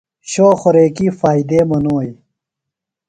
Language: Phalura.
شو خوریکی فائدے منوئی؟